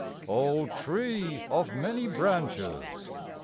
O tree of many branches!